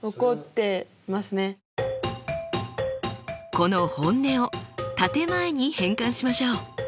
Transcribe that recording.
この本音を建て前に変換しましょう。